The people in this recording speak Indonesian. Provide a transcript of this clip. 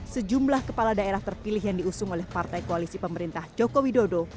sejumlah kepala daerah terpilih yang diusung oleh partai koalisi pemerintah joko widodo